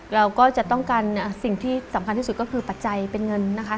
เราก็จะต้องการสิ่งที่สำคัญที่สุดก็คือปัจจัยเป็นเงินนะคะ